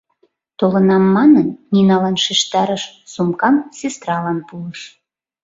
Толынам манын, Ниналан шижтарыш, сумкам сестралан пуыш.